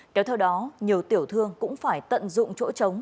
kéo theo đó nhiều tiểu thương cũng phải tận dụng chỗ trống